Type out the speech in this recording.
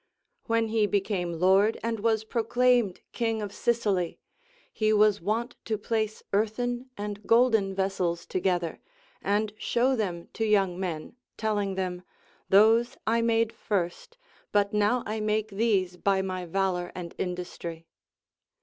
When he became lord and was proclaimed king of Sicily, he was wont to place earthen and golden vessels together, and show them to young men, telling them, Those I made first, but now I make these by my valor and industry.